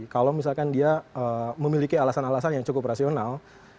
kalau misalkan dia memiliki alasan alasan yang cukup rasional